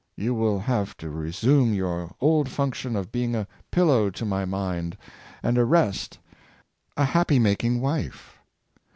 You will have to resume your old function of be ing I pillow to my mind, and a rest — a happy making wife."